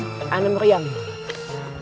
anak anak meriah ya